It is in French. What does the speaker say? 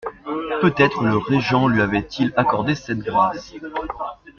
Peut-être le régent lui avait-il accordé cette grâce.